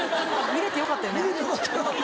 見れてよかったな。